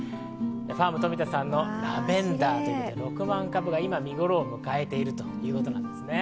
ファーム富田さんのラベンダーで６万株が今、見頃を迎えているということです。